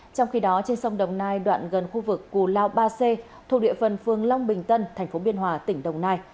trong khi đó trên sông đồng nai đoạn gần khu vực cù lao ba c thuộc địa phần phương long bình tân tp biên hòa tỉnh đồng nai